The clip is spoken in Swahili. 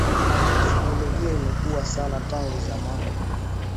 Teknologia imekua sana tangu zamani.